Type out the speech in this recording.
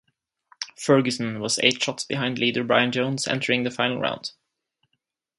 Ferguson was eight shots behind leader Brian Jones entering the final round.